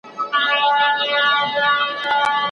هيله ده چي زموږ هېواد هم د پرمختللو هېوادونو په کتار کي ودرېږي.